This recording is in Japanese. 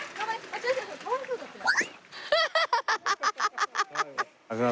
ハハハハハ！